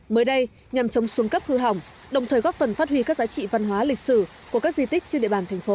mới đây nhằm chống xuống cấp hư hỏng đồng thời góp phần phát huy các giá trị văn hóa lịch sử của các di tích trên địa bàn thành phố